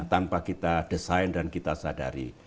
tanpa kita desain dan kita sadari